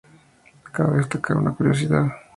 Cabe destacar una curiosidad.